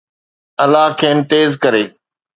الله کين تيز ڪري